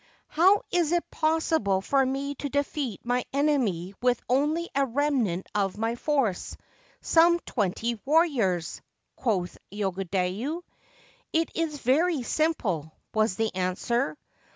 c How is it possible for me to defeat my enemy with only a remnant of my force — some twenty warriors ?' quoth Yogodayu. * It is very simple,' was the answer.